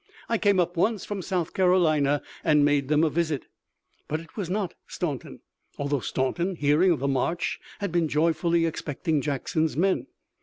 I came up once from South Carolina and made them a visit." But it was not Staunton, although Staunton, hearing of the march, had been joyfully expecting Jackson's men.